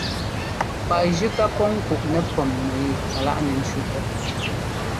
Kwaꞌ jʉ́ ká pɔ́ ŋ́kuꞌ nɛpɛ́m nu yɛ a láꞌ nɛ ńcú pɔ́.